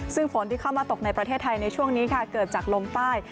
ซึ่งฝนที่เข้ามาตกในประเทศไทยในช่วงนี้ค่ะเกิดจากลมใต้